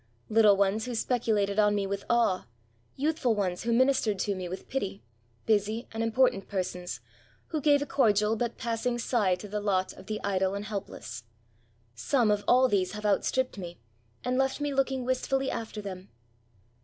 Little ones who speculated on me with awe — youthful ones who ministered to me with pity — ^busy and import ant persons, who gave a cordial but passing sigh to the lot of the idle and helpless ; some of all these have outstripped me, and left me looking wistfully after them.